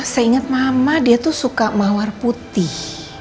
saya ingat mama dia tuh suka mawar putih